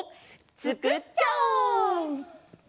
つくっちゃおう！